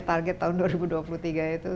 target tahun dua ribu dua puluh tiga itu